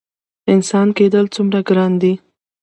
انسان کیدل څومره ګران دي؟